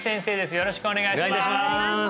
よろしくお願いします